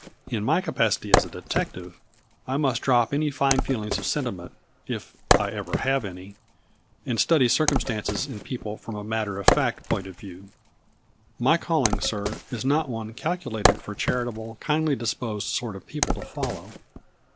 In my capacity as a detec tive I must drop any fine feelings of sentiment (if I ever have any) and study circumstances and people from a matter of fact point of view. My calling, sir, is not one calculated for chari table, kindly disposed sort of people to follow."